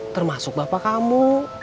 termasuk bapak kamu